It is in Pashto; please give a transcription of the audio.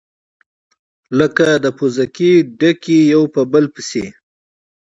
لكه د پوزکي ډَکي يو په بل پسي،